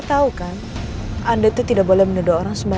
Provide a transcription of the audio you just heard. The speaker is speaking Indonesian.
aku nih sebenernya